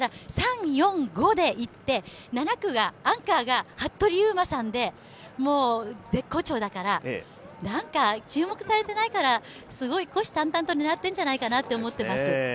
だから３、４、５でいって、アンカーが服部勇馬さんで、絶好調だから何か注目されてないから、虎視眈々と狙っているんじゃないかなと思っています。